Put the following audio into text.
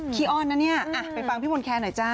ขี้อ้อนนะเนี้ยไปฟังพี่มนครจะหน่อยจ้ะ